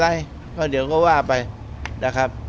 เขาไม่เป็นไรเดี๋ยวเขาว่าไปนะครับ